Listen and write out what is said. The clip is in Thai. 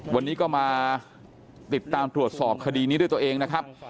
วันนี้ก็มาติดตามตรวจสอบคดีนี้ด้วยตัวเองนะครับ